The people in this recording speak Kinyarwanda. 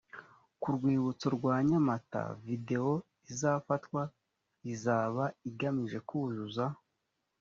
ku rwibutso rwa nyamata videwo izafatwa izaba igamije kuzuza